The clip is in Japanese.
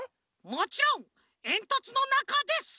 もちろんえんとつのなかです！